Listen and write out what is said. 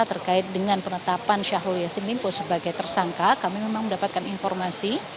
terkait dengan penetapan syahrul yassin limpo sebagai tersangka kami memang mendapatkan informasi